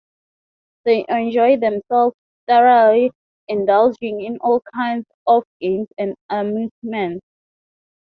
They enjoy themselves thoroughly, indulging in all kinds of games and amusements.